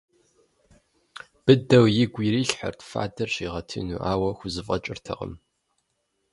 Быдэу игу ирилъхьэрт фадэр щигъэтыну, ауэ хузэфӏэкӏыртэкъым.